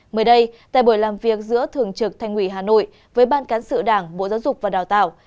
mới đây tại buổi làm việc giữa thường trực thành ủy hà nội với ban cán sự đảng bộ giáo dục và đào tạo